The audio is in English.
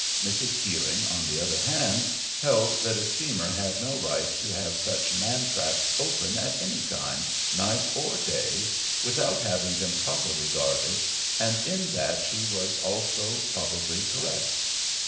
Mrs. Keeling, on the other hand, held that a steamer had no right to have such mantraps open at any time, night or day, without having them properly guarded, and in that she was also probably correct.